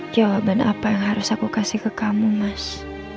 jawaban apa yang harus aku kasih ke kamu mas